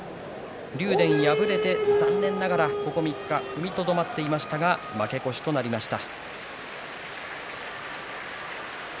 竜電、敗れて残念ながらここ３日踏みとどまっていましたが負け越しとなりました。